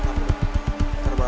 perang baru terjadi